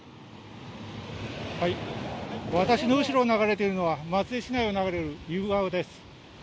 私の後ろを流れているのは松江市内を流れる意宇川です。